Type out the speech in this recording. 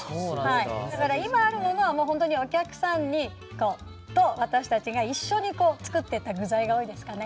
だから今あるものはホントにお客さんと私たちが一緒に作ってった具材が多いですかね。